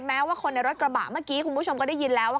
แม้ว่าคนในรถกระบะเมื่อกี้คุณผู้ชมก็ได้ยินแล้ว